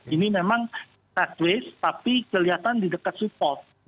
ini memang sideways tapi kelihatan di dekat support